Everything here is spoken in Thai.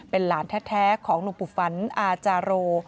เป็นหลานแท้ของหลวงปู่ฝันอาจาโร